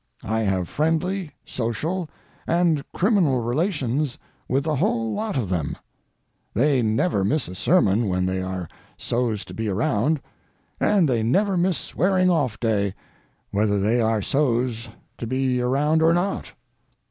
I have friendly, social, and criminal relations with the whole lot of them. They never miss a sermon when they are so's to be around, and they never miss swearing off day, whether they are so's to be around or not.